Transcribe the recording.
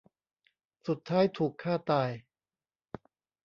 สุดท้ายถูกฆ่าตาย